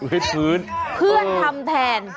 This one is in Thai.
เพื่อนทำแทน